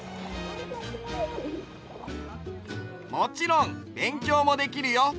もちろんべんきょうもできるよ。